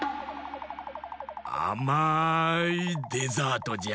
あまいデザートじゃ！